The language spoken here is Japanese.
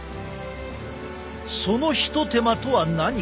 その一手間とは何か？